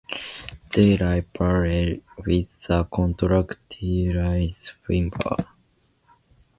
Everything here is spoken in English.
They lie parallel with the contractile fibers.